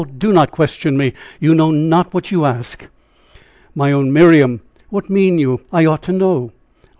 do not question me! You know not what you ask." "My own Miriam, what mean you? I ought to know."